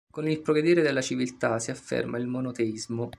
Con il progredire della civiltà si afferma il monoteismo.